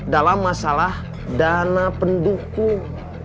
dalam masalah dana pendukung